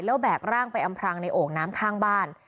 แล้วแบกร่างไปอำพรางในโอ่งน้ำข้างบ้าน